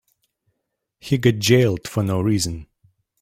He got jailed for no reason.